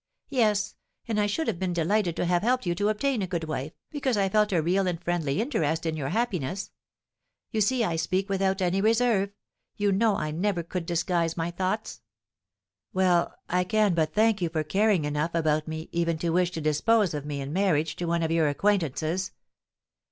"Yes, and I should have been delighted to have helped you to obtain a good wife, because I felt a real and friendly interest in your happiness. You see I speak without any reserve; you know I never could disguise my thoughts." "Well, I can but thank you for caring enough about me even to wish to dispose of me in marriage to one of your acquaintances."